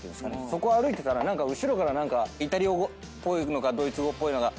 そこを歩いてたら後ろからイタリア語っぽいのかドイツ語っぽいのが。